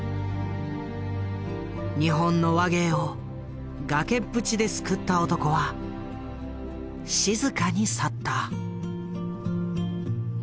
日本の話芸を崖っぷちで救った男は静かに去った。